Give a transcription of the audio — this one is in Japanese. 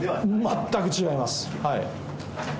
全く違います。